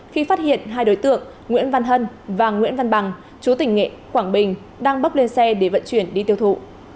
khi phát hiện hai đối tượng nguyễn văn hân và nguyễn văn bằng chú tỉnh nghệ quảng bình đang bốc lên xe để vận chuyển đi tiêu thụ